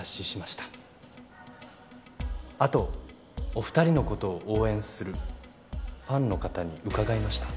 後お２人のことを応援するファンの方に伺いました。